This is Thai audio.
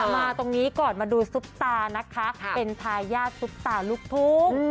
มาตรงนี้ก่อนมาดูซุปตานะคะเป็นทายาทซุปตาลูกทุ่ง